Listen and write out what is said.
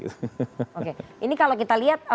oke ini kalau kita lihat